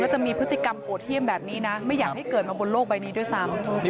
จะมีพฤติกรรมโหดเยี่ยมแบบนี้นะไม่อยากให้เกิดมาบนโลกใบนี้ด้วยซ้ำ